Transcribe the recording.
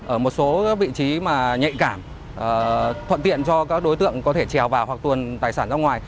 ở một số vị trí mà nhạy cảm thuận tiện cho các đối tượng có thể trèo vào hoặc tuần tài sản ra ngoài